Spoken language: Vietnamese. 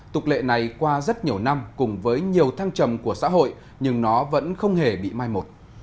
tục lệ này qua rất nhiều năm cùng với nhiều thăng trầm của xã hội nhưng nó vẫn không hề bị mai một